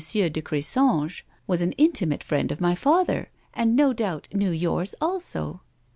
de Crisange was an intimate friend of my father, and no doubt knew yours also."